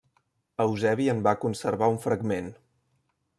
Eusebi en va conservar un fragment.